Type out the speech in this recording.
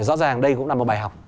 rõ ràng đây cũng là một bài học